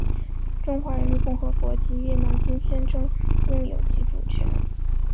中华人民共和国及越南均宣称拥有其主权。